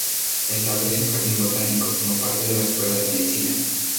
Establece un jardín botánico como parte de la Escuela de Medicina.